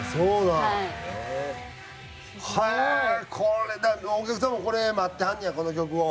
これお客さんもこれ待ってはんねやこの曲を。